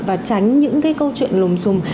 và tránh những cái câu chuyện lùm xùm